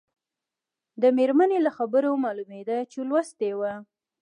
د مېرمنې له خبرو معلومېده چې لوستې وه.